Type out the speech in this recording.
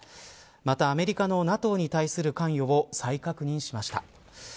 またアメリカのＮＡＴＯに対する関与を再確認しました。